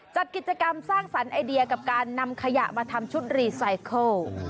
จัดกิจกรรมสร้างสรรค์ไอเดียกับการนำขยะมาทำชุดรีไซเคิล